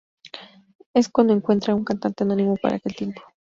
Es cuando encuentran a un cantante anónimo para aquel tiempo.